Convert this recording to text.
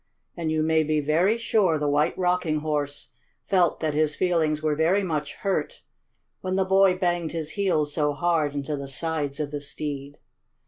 And you may be very sure the White Rocking Horse felt that his feelings were very much hurt when the boy banged his heels so hard into the sides of the steed.